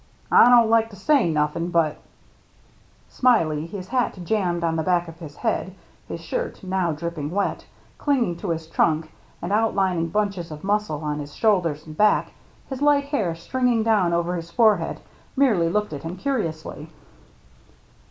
I don't like to say nothin', but —" Smiley, his hat jammed on the back of his head, his shirt, now dripping wet, clinging to his trunk and outlining bunches of muscle on his shoulders and back, his light hair stringing down over his forehead, merely looked at him curiously.